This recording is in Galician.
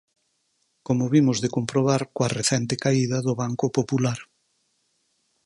Como vimos de comprobar coa recente caída do Banco Popular.